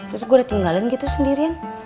terus gue udah tinggalin gitu sendirian